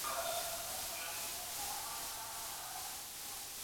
chini ya usimamizi wa tume ya taifa ya uchaguzi